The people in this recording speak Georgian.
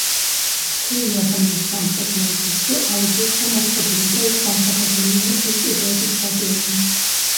ცივი აბანოს სამხრეთ ნაწილში აუზი იყო მოწყობილი და იქ სამსაფეხურიანი ქვის კიბეებით ჩადიოდნენ.